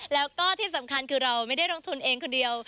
แล้วก็ที่สำคัญคือเราไม่ได้ลงทุนเองคนเดียว